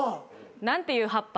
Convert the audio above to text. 何ていう葉っぱ？